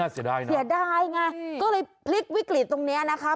เสียดายไงก็เลยพลิกวิกฤตตรงนี้นะคะ